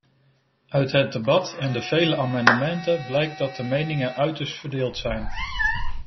Uit het debat en de vele amendementen blijkt dat de meningen uiterst verdeeld zijn.